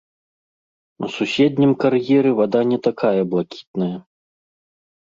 У суседнім кар'еры вада не такая блакітная.